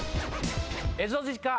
エゾジカ。